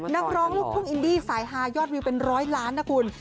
นักร้องลูกทุ่งอินดี้สายฮายอดวิวเป็นร้อยล้านนะคุณ